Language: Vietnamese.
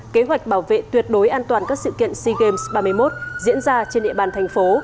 kế hoạch bảo vệ tuyệt đối an toàn các sự kiện sea games ba mươi một diễn ra trên địa bàn thành phố